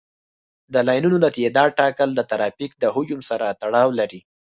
د لاینونو د تعداد ټاکل د ترافیک د حجم سره تړاو لري